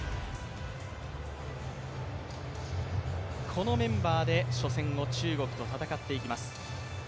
このメンバーで初戦を中国と戦っていきます。